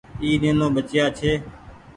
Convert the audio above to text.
اي نينو ٻچييآ ڇي۔